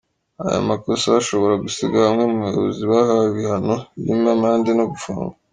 Aya makosa ashobora gusiga bamwe mu bayobozi bahawe ibihano birimo amande no gufungwa.